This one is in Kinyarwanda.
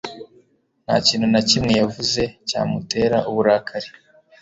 Nta kintu na kimwe yavuze cyamutera uburakari